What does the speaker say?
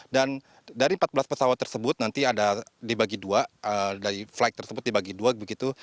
dan dari empat belas pesawat tersebut nanti ada dibagi dua dari flight tersebut dibagi dua begitu